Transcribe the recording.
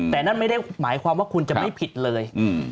แต่นั่นไม่ได้หมายความว่าคุณจะไม่ผิดเลย